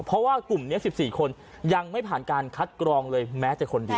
เพราะว่ากลุ่มนี้๑๔คนยังไม่ผ่านการคัดกรองเลยแม้แต่คนเดียว